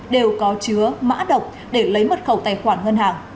đều có chứa mã độc để lấy mật khẩu tài khoản ngân hàng